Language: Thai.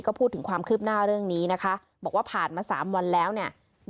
ก็พูดถึงความคืบหน้าเรื่องนี้นะคะบอกว่าผ่านมา๓วันแล้วเนี่ย